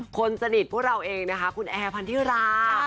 คนสนิทพวกเราเองคุณแอร์ความทิฬา